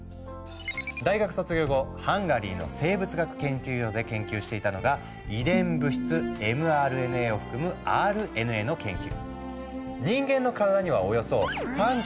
大学卒業後ハンガリーの生物学研究所で研究していたのが遺伝物質ｍＲＮＡを含む「ＲＮＡ」の研究。